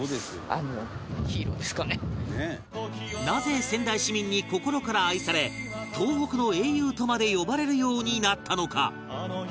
なぜ仙台市民に心から愛され東北の英雄とまで呼ばれるようになったのか？